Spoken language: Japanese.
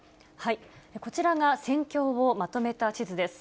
こちらが戦況をまとめた地図です。